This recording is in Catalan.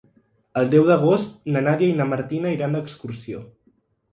El deu d'agost na Nàdia i na Martina iran d'excursió.